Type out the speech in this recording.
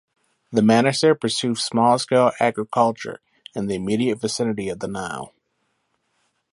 The Manasir pursue small scale agriculture in the immediate vicinity of the Nile.